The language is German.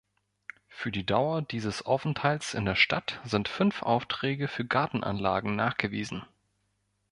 Für die Dauer dieses Aufenthalts in der Stadt sind fünf Aufträge für Gartenanlagen nachgewiesen.